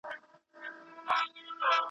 پر خوني لارو مي خیژي د خوبونو تعبیرونه .